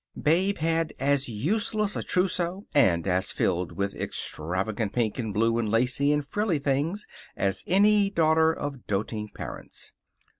Babe had as useless a trousseau, and as filled with extravagant pink and blue and lacy and frilly things, as any daughter of doting parents.